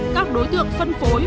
các đối tượng phân phối